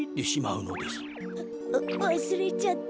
ううわすれちゃった。